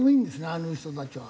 あの人たちは。